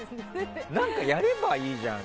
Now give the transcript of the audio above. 何かやればいいじゃん。